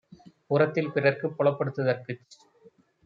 புறத்தில் பிறர்க்குப் புலப்படுத் துதற்குச்